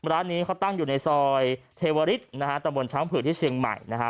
ร้านนี้เขาตั้งอยู่ในซอยเทวริสนะฮะตะบนช้างผืดที่เชียงใหม่นะฮะ